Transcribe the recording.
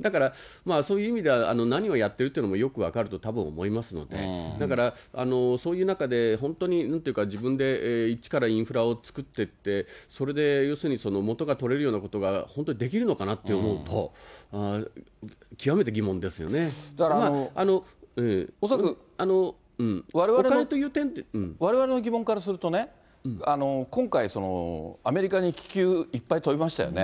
だから、そういう意味では何をやってるというのもよく分かるとたぶん思いますので、だからそういう中で、本当になんていうか、自分で一からインフラを作っていって、それで要するに、元が取れるようなことが本当にできるのかなって思うと、極めて疑問ですよわれわれの疑問からするとね、今回、アメリカに気球、いっぱい飛びましたよね。